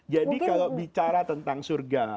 jadi kalau bicara tentang surga